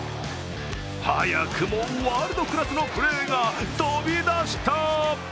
早くもワールドクラスのプレーが飛び出した。